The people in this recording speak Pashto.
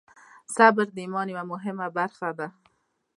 صبر د ایمان یوه مهمه برخه ده.